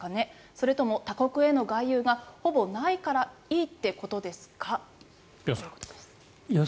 それとも他国への外遊がほぼないからいいってことですか？